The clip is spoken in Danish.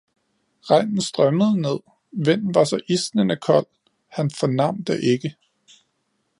Regnen strømmede ned, vinden var så isnende kold, han fornam det ikke